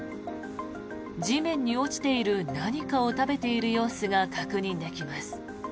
地面に落ちている何かを食べている様子が確認できます。